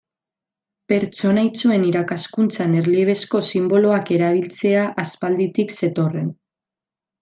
Pertsona itsuen irakaskuntzan erliebezko sinboloak erabiltzea aspalditik zetorren.